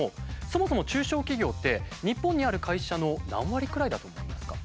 そもそも中小企業って日本にある会社の何割くらいだと思いますか？